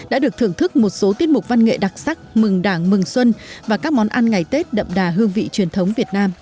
đã được thưởng thức một số tiết mục văn nghệ đặc sắc mừng đảng mừng xuân và các món ăn ngày tết đậm đà hương vị truyền thống việt nam